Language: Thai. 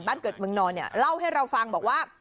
บ้านเกิดเมืองนอนเนี่ยเล่าให้เราฟังบอกว่า